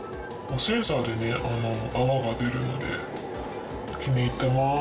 センサーで泡が出るので、気に入ってます。